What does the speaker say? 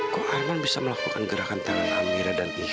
kok arman bisa melakukan gerakan tangan amira dan ihsan itu